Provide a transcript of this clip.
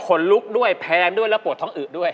ลุกด้วยแพงด้วยแล้วปวดท้องอึด้วย